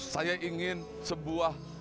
saya ingin sebuah